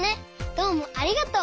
どうもありがとう。